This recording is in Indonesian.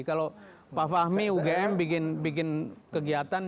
kalau pak fahmi ugm bikin kegiatan